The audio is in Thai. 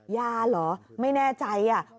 ยาหรอไม่แน่ใจอ่ะ